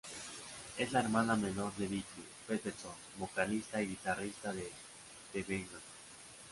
Es la hermana menor de Vicki Peterson, vocalista y guitarrista de The Bangles.